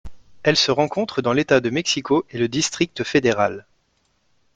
Elle se rencontre dans l'État de Mexico et le District fédéral.